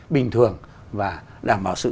bình thường và đảm bảo sự